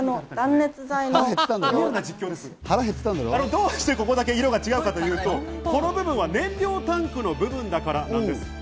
どうしてここだけ色が違うかというと、この部分は燃料タンクの部分だからなんです。